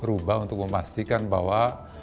ubah untuk memastikan bahwa